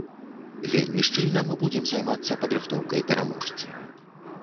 Вельмі шчыльна мы будзем займацца падрыхтоўкай пераможцы.